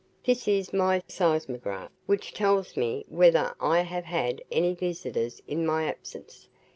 "This is my seismograph which tells me whether I have had any visitors in my absence.